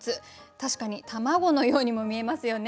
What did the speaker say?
確かに卵のようにも見えますよね。